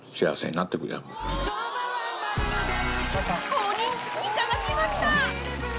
公認いただきました！